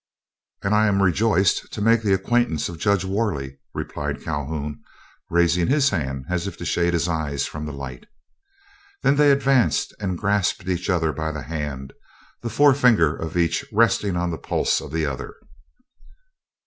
"And I am rejoiced to make the acquaintance of Judge Worley," replied Calhoun, raising his hand as if to shade his eyes from the light. They then advanced and grasped each other by the hand, the fore finger of each resting on the pulse of the other.